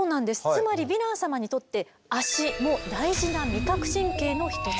つまりヴィラン様にとって足も大事な味覚神経の一つ。